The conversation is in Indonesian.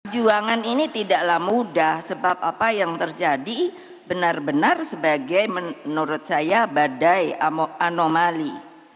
juangan ini tidaklah mudah sebab apa yang terjadi benar benar sebagai menurut saya badai anomali